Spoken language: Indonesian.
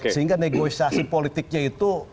sehingga negosiasi politiknya itu